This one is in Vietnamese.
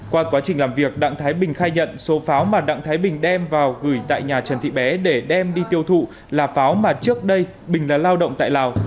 qua quá trình làm việc đặng thái bình khai nhận số pháo mà đặng thái bình đem vào gửi tại nhà trần thị bé để đem đi tiêu thụ là pháo mà trước đây bình là lao động tại lào